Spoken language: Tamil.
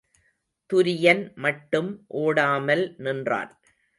துரியன் மட்டும் ஓடாமல் நின்றான்.